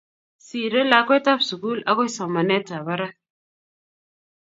siree lakwetab sugul agoi somanetab barak